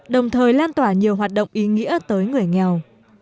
đồng thời lan tỏa nhiều hoạt động ý nghĩa tới người nghèo